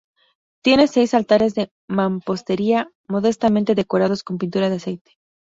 Tiene seis altares de mampostería modestamente decorados con pintura de aceite.